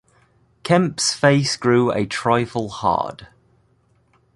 Kemp's face grew a trifle hard.